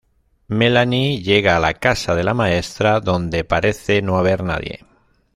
Melanie llega a la casa de la maestra, donde parece no haber nadie.